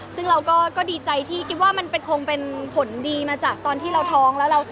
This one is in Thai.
ซึ่งเราก็ดีใจที่คิดว่ามันคงเป็นผลดีมาจากตอนที่เราท้องแล้ว